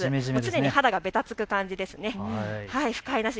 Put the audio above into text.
常に肌がべたつく感じです。